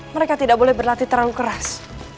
mereka tidak boleh berlatih terlalu keras